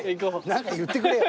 何か言ってくれよ。